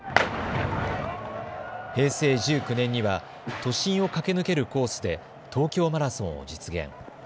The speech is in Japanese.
平成１９年には都心を駆け抜けるコースで東京マラソンを実現。